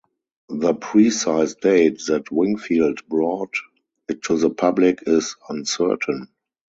The precise date that Wingfield brought it to the public is uncertain.